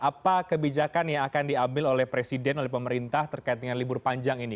apa kebijakan yang akan diambil oleh presiden oleh pemerintah terkait dengan libur panjang ini